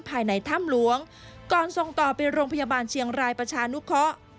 ภายในถ้ำหลวงก่อนส่งต่อไปโรงพยาบาลเชียงรายประชานุเคาะ